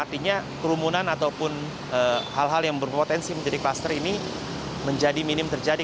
artinya kerumunan ataupun hal hal yang berpotensi menjadi kluster ini menjadi minim terjadi